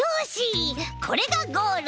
これがゴール！